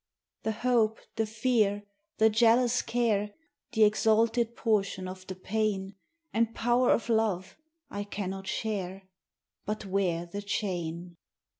The hope, the fear, the jealous care, The exalted portion of the pain And power of love, I cannot share, 15 But wear the chain.